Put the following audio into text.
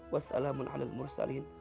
wassalamun ala al mursalin